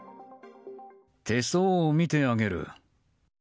手相を見てあげる。